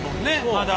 まだ。